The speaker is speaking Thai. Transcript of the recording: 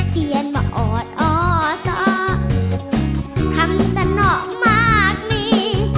เตียนมาออดออสอออออคำสะนอกมากมี